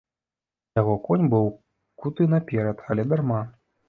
Яго конь быў куты на перад, але дарма.